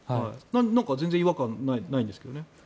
なんか全然違和感ないんですけどね。